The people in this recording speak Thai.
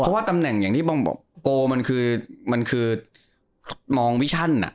เพราะว่าตำแหน่งอย่างที่บอมบอกโกมันคือมันคือมองวิชั่นอ่ะ